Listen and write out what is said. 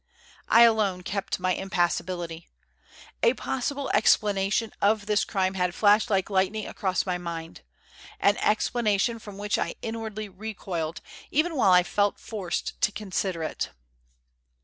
I alone kept my impassibility. A possible explanation of this crime had flashed like lightning across my mind; an explanation from which I inwardly recoiled, even while I felt forced to consider it.